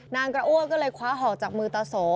นางกระอ้วกก็เลยคว้าห่อจากมือตาโส